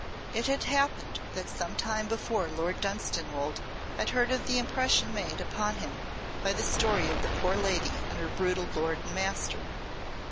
It had happened that some time before Lord Dunstanwolde had heard of the impression made upon him by the story of the poor lady and her brutal lord and master.